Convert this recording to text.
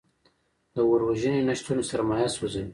د اور وژنې نشتون سرمایه سوځوي.